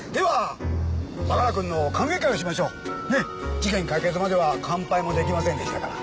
事件解決までは乾杯も出来ませんでしたから。